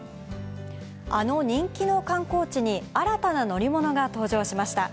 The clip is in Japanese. あの人気の観光地に、新たな乗り物が登場しました。